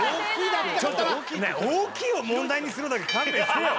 ねえ「大きい」を問題にするのだけは勘弁してよ。